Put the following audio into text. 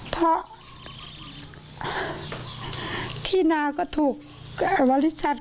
เพราะที่นาก็ถูกวัลสัตว์ก็ซื้อไปแล้ว